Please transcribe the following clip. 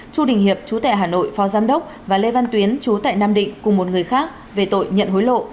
chu đình hiệp chú tại hà nội phó giám đốc và lê văn tuyến chú tại nam định cùng một người khác về tội nhận hối lộ